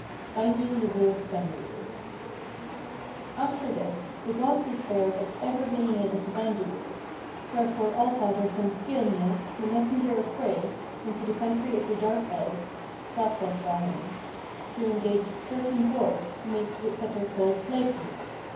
BINDING THE WOLF FENIR "After this, the gods despaired of ever being able to bind the wolf; wherefore All father sent Skirnir, the messenger of Frey, into the country of the Dark Elves (Svartalfaheim) to engage certain dwarfs to make the fetter called Gleipnir.